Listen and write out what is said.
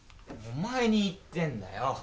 お前に言ってんだよ。